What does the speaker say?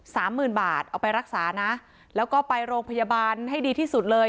หมื่นบาทเอาไปรักษานะแล้วก็ไปโรงพยาบาลให้ดีที่สุดเลย